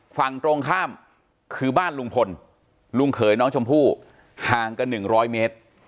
ฝั่งตรงข้ามคือบ้านลุงพลลุงเขยน้องชมพู่ห่างกัน๑๐๐เมตร